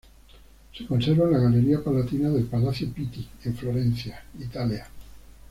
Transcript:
Se conserva en la Galería Palatina del Palacio Pitti, en Florencia, Italia.